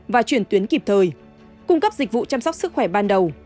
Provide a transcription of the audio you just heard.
và chuyển tuyến kịp thời cung cấp dịch vụ chăm sóc sức khỏe ban đầu